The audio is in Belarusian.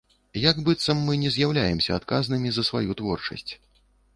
Як быццам мы не з'яўляемся адказнымі за сваю творчасць.